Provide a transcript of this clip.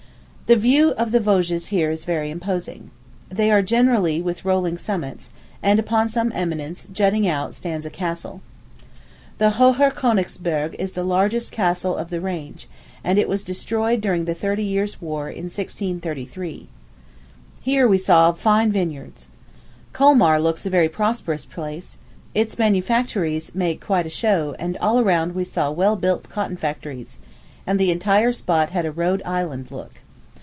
The view of the Vosges here is very imposing. They are generally with rolling summits; and upon some eminence, jutting out, stands a castle. The Hoher Königsberg is the largest castle of the range, and it was destroyed during the thirty years' war, in 1633. Here we saw fine vineyards. Colmar looks like a very prosperous place. Its manufactories make quite a show, and all around we saw well built cotton factories; and the entire spot had a Rhode Island look.